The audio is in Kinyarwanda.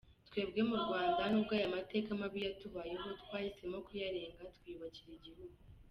Twebwe mu Rwanda nubwo aya mateka mabi yatubayeho, twahisemo kuyarenga twiyubakira igihugu.